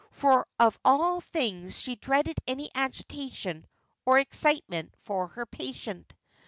For, of all things, she dreaded any agitation or excitement for her patient.